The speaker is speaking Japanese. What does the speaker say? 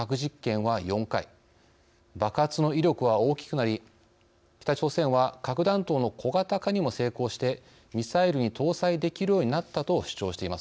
爆発の威力は大きくなり北朝鮮は核弾頭の小型化にも成功してミサイルに搭載できるようになったと主張しています。